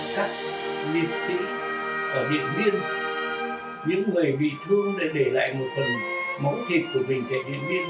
các nguyện sĩ ở điện viên những người bị thương để để lại một phần máu thịt của mình tại điện viên